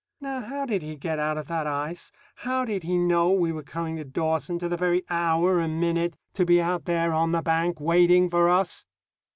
Now how did he get out of that ice? How did he know we were coming to Dawson, to the very hour and minute, to be out there on the bank waiting for us?